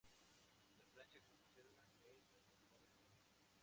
La plancha se conserva en regular estado.